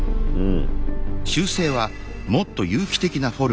うん。